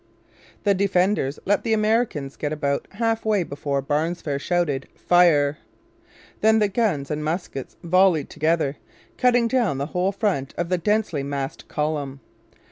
The defenders let the Americans get about half way before Barnsfair shouted 'Fire!' Then the guns and muskets volleyed together, cutting down the whole front of the densely massed column.